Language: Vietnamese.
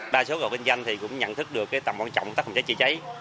ba số cơ sở kinh doanh cũng nhận thức được tầm quan trọng tác phòng cháy chữa cháy